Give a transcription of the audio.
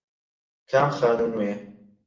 کام خانوو نوێیە؟